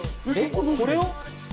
これを？